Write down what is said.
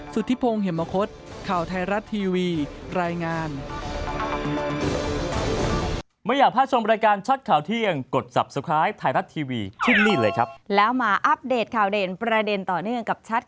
สุธิพงศ์เหมคศข่าวไทยรัฐทีวีรายงาน